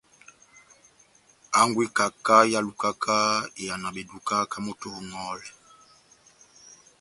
Hangwɛ y'ikaka ehálukaka iyàna beduka ká moto oŋòhòlɛ.